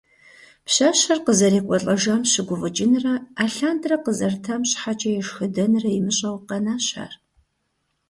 Пщащэр къызэрекӀуэлӀэжам щыгуфӀыкӀынрэ алъандэрэ къызэрытам щхьэкӀэ ешхыдэнрэ имыщӀэу, къэнащ ар.